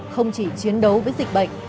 không chỉ chiến đấu với dịch bệnh